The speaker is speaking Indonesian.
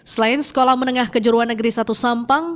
selain sekolah menengah kejuruan negeri satu sampang